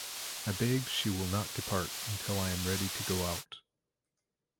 I beg she will not depart until I am ready to go out.